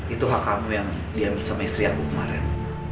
itu hak kamu yang diambil sama istri aku kemarin